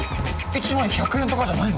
１枚１００円とかじゃないの！？